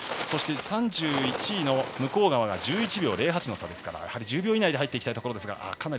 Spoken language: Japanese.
そして、３１位の向川が１１秒０８の差ですから１０秒以内で入っていきたいところです。